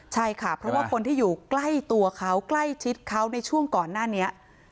ใช่ค่ะเพราะว่าคนที่อยู่ใกล้ตัวเขาใกล้ชิดเขาในช่วงก่อนหน้านี้